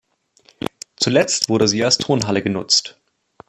Zuletzt wurde sie als Turnhalle genutzt.